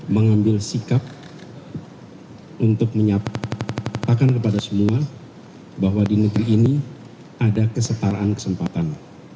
mengambil sikap untuk menyatakan kepada semua bahwa di negeri ini ada kesetaraan kesempatan